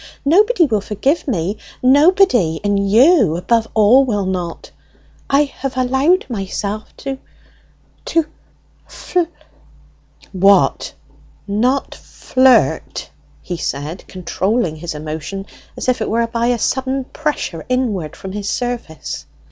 Nobody will forgive me, nobody! and you above all will not! ... I have allowed myself to to fl " "What, not flirt!" he said, controlling his emotion as it were by a sudden pressure inward from his surface.